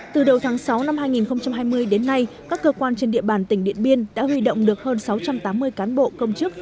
từ đầu tháng sáu năm hai nghìn hai mươi đến nay các cơ quan trên địa bàn tỉnh điện biên đã huy động được hơn sáu trăm tám mươi cán bộ công chức